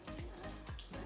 itu adalah sambalnya